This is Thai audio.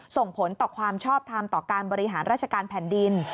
ส่งผลต่อความชอบทำต่อการบริหารราชการแผ่นดิน